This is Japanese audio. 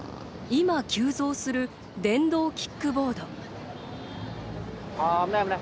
今急増する電動キックボード。